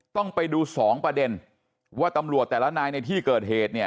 ต้องไปดูสองประเด็นว่าตำรวจแต่ละนายในที่เกิดเหตุเนี่ย